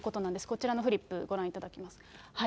こちらのフリップ、ご覧いただきます。